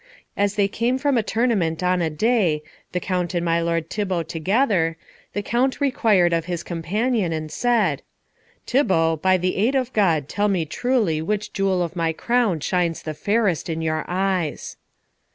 As they came from a tournament on a day, the Count and my lord Thibault together, the Count required of his companion and said, "Thibault, by the aid of God tell me truly which jewel of my crown shines the fairest in your eyes!"